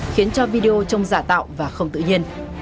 khiến cho video trông giả tạo và không tự nhiên